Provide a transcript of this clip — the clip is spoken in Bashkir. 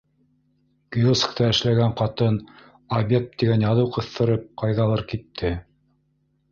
Киоскта эшләгән ҡатын «обед» тигән яҙыу ҡыҫтырып, ҡайҙалыр китте.